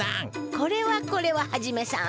これはこれはハジメさん。